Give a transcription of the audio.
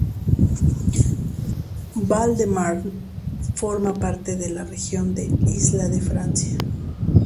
Val-de-Marne forma parte de la región de Isla de Francia.